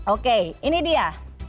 oke ini dia